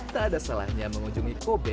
tak ada salahnya mengunjungi kobe